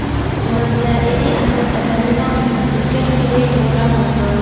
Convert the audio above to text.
مېنىڭچە ئېلى ئەخمەت ئەپەندىنىڭ ئۆزگەرتكىنى توغرا بوپتۇ.